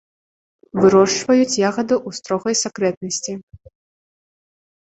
Вырошчваюць ягады ў строгай сакрэтнасці.